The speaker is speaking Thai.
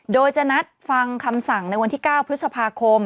โดยจะนัดฟังคำสั่งในวันที่๙พฤษภาคม